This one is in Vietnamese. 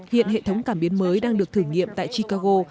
hiện hệ thống cảm biến mới đang được thử nghiệm tại chicago